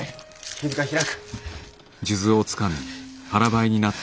傷が開く。